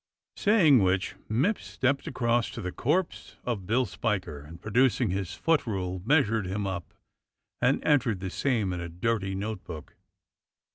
Saying which Mipps stepped across to the corpse of Bill Spiker, and, producing his footrule, measured him up, and entered the same in a dirty notebook.